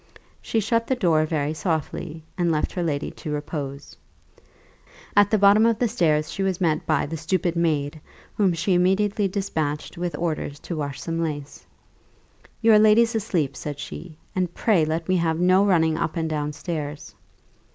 She shut the door very softly, and left her lady to repose. At the bottom of the stairs she was met by the stupid maid, whom she immediately despatched with orders to wash some lace: "Your lady's asleep," said she, "and pray let me have no running up and down stairs."